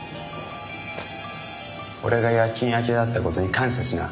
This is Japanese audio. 俺が夜勤明けだった事に感謝しな。